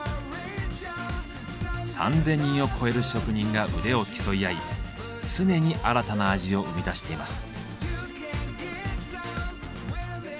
３，０００人を超える職人が腕を競い合い常に新たな味を生み出しています。